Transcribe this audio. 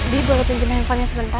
bi boleh pinjem handphonenya sebentar